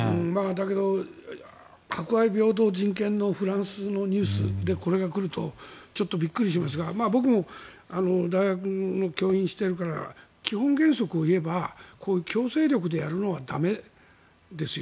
だけど博愛、平等、人権のフランスでこれが来るとちょっとびっくりしますが僕も大学の教員をしているから基本原則をいえば強制力でやるのは駄目ですよ。